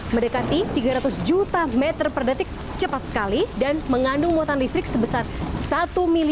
mendekati tiga ratus juta meter per detik cepat sekali dan mengandung muatan listrik sebesar satu miliar